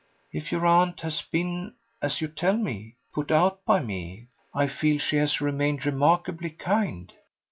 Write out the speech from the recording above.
"If your aunt has been, as you tell me, put out by me, I feel she has remained remarkably kind."